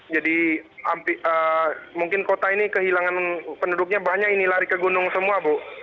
jadi mungkin kota ini kehilangan penduduknya banyak ini lari ke gunung semua bu